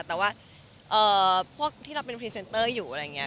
แต่ว่าพวกที่เราเป็นพรีเซนเตอร์อยู่อะไรอย่างนี้